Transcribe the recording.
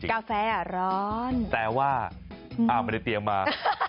กาแฟอ่ะร้อนแต่ว่าเอามาในเตียงมา